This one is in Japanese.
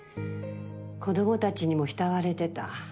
子供たちにも慕われてた。